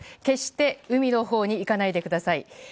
決して海のほうに行かないでください。